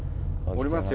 降りますよ